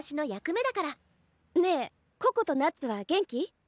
ねえココとナッツは元気？